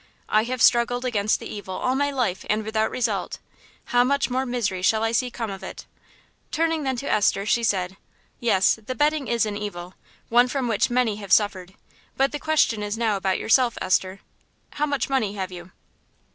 "I have struggled against the evil all my life, and without result. How much more misery shall I see come of it?" Turning then to Esther she said, "Yes, the betting is an evil one from which many have suffered but the question is now about yourself, Esther. How much money have you?"